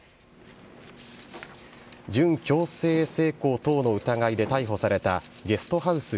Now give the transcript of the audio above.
準強制性交等の疑いで逮捕されたゲストハウス